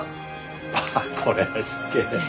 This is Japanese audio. ああこれは失敬。